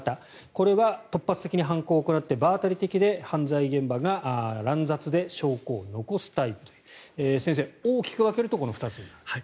これは突発的に犯行を行って場当たり的で犯罪現場が乱雑で証拠を残すタイプという先生、大きく分けるとこの２つのタイプ。